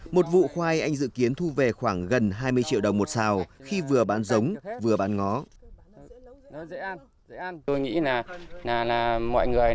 một vụ khoai anh dự kiến thu về khoảng gần hai mươi triệu đồng một xào khi vừa bán giống vừa bán ngó